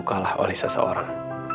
kalah oleh seseorang